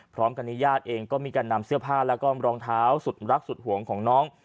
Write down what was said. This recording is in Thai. พร้อมกันนี้ญาติเองก็มีการนำเสื้อผ้าแล้วก็รองเท้าสุดรักสุดห่วงของน้อง